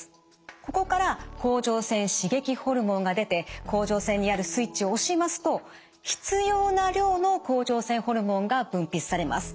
ここから甲状腺刺激ホルモンが出て甲状腺にあるスイッチを押しますと必要な量の甲状腺ホルモンが分泌されます。